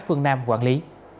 phương nam quản lý